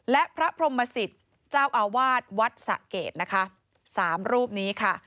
และพระพรมศิษย์เจ้าอาวาสวัดสะเกดนะคะสามรูปนี้ค่ะ